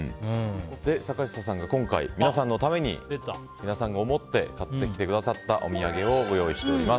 坂下さんが、今回皆さんを思って買ってきてくださったお土産をご用意しております。